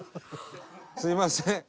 すみません。